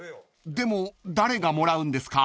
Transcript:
でも誰がもらうんですか？］